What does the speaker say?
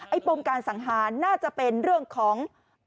ปมการสังหารน่าจะเป็นเรื่องของ